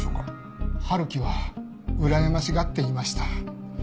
春樹はうらやましがっていました。